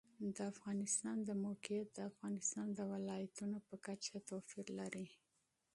د افغانستان د موقعیت د افغانستان د ولایاتو په کچه توپیر لري.